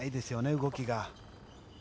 動きが。